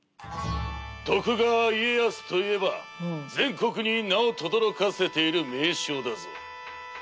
徳川家康といえば全国に名をとどろかせている名将だぞ。